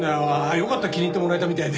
よかった気に入ってもらえたみたいで。